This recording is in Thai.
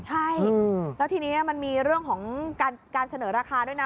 ใช่แล้วทีนี้มันมีเรื่องของการเสนอราคาด้วยนะ